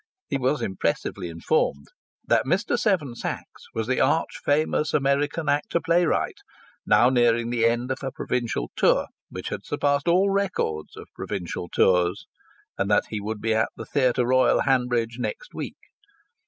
He was impressively informed that Mr. Seven Sachs was the arch famous American actor playwright, now nearing the end of a provincial tour, which had surpassed all records of provincial tours, and that he would be at the Theatre Royal, Hanbridge, next week.